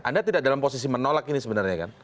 anda tidak dalam posisi menolak ini sebenarnya kan